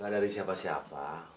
gak dari siapa siapa